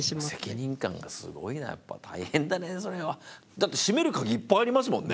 だって閉める鍵いっぱいありますもんね。